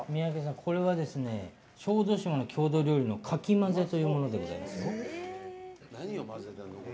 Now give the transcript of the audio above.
これは小豆島の郷土料理のかきまぜというものでございます。